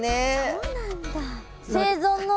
そうなんだ。